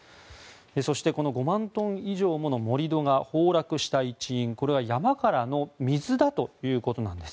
そしてこの５万トン以上もの盛り土が崩落した一因これは山からの水だということなんです。